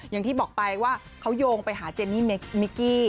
อย่างที่บอกไปว่าเขาโยงไปหาเจนนี่มิกกี้